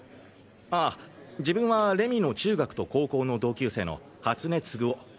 あっ自分は礼美の中学と高校の同級生の初根継男。